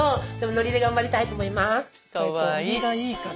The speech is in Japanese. ノリがいいから。